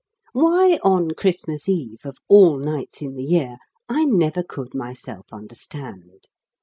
Why on Christmas Eve, of all nights in the year, I never could myself understand.